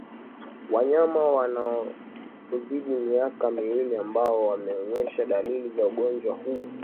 wanyama wanaozidi miaka miwili ambao wameonyesha dalili za ugonjwa huu